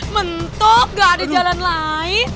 mentok gak ada jalan lain